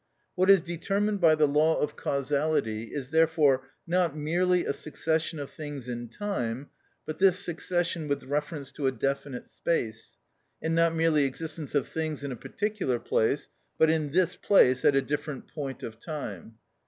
What is determined by the law of causality is therefore not merely a succession of things in time, but this succession with reference to a definite space, and not merely existence of things in a particular place, but in this place at a different point of time.